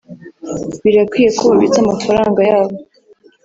Birakwiye ko babitsa amafaranga yabo